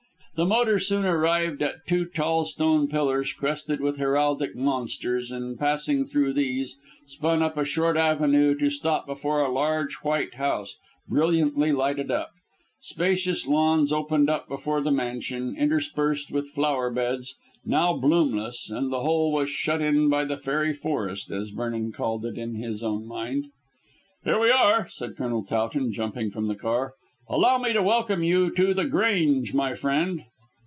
The motor soon arrived at two tall stone pillars crested with heraldic monsters, and passing through these, spun up a short avenue to stop before a large white house, brilliantly lighted up. Spacious lawns opened up before the mansion, interspersed with flowerbeds, now bloomless, and the whole was shut in by the fairy forest, as Vernon called it in his own mind. "Here we are," said Colonel Towton jumping from the car. "Allow me to welcome you to The Grange, my friend."